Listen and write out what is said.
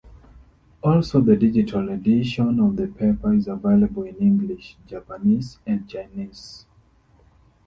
Also, the digital edition of the paper is available in English, Japanese and Chinese.